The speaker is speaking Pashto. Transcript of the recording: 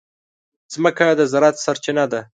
مځکه د زراعت سرچینه ده.